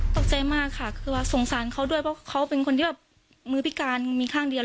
ตกใจมากค่ะคือว่าสงสารเขาด้วยเพราะเขาเป็นคนที่แบบมือพิการมีข้างเดียว